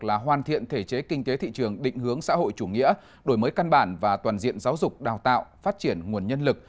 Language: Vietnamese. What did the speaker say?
là hoàn thiện thể chế kinh tế thị trường định hướng xã hội chủ nghĩa đổi mới căn bản và toàn diện giáo dục đào tạo phát triển nguồn nhân lực